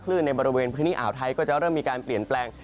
ในบริเวณพื้นที่อ่าวไทยก็จะเริ่มมีการเปลี่ยนแปลง